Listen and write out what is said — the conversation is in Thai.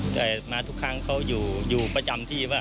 แต่มาทุกครั้งเขาอยู่ประจำที่ว่า